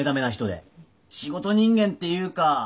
仕事人間っていうか。